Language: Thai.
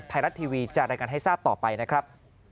ไทยรัฐทีวีจะรายงานให้ทราบต่อไปนะครับ